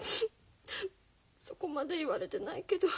そこまで言われてないけど。